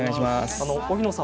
荻野さん